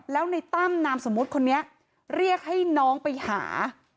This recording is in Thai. แล้วในตั้มนามสมมุติคนนี้เรียกให้น้องไปหา